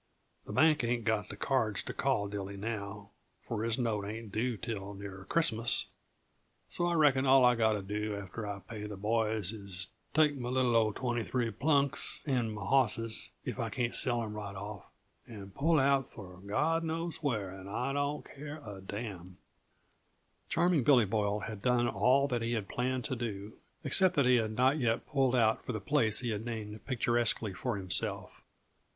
The bank ain't got the cards to call Dilly now, for his note ain't due till near Christmas. So I reckon all I got to do after I pay the boys is take m' little old twenty three plunks, and my hosses if I can't sell 'em right off and pull out for God knows where and I don't care a damn!" Charming Billy Boyle had done all that he had planned to do, except that he had not yet pulled out for the place he had named picturesquely for himself.